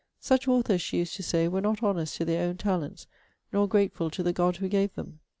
'Such authors,' she used to say, 'were not honest to their own talents, nor grateful to the God who gave them.'